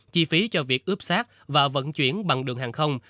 chi phí cho việc ướp xác và vận chuyển bằng đường hàng không